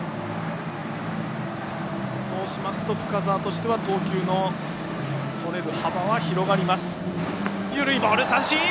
そうしますと深沢としては投球のとれる幅は広がります。